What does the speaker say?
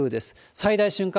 最大瞬間